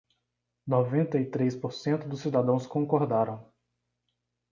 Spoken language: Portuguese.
Noventa e três por cento dos cidadãos concordaram